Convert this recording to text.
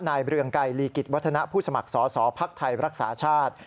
เรืองไกรลีกิจวัฒนะผู้สมัครสอสอภักดิ์ไทยรักษาชาติ